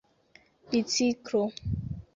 biciklo